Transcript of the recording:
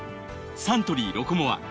サントリー「ロコモア」